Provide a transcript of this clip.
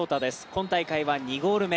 今大会は２ゴール目。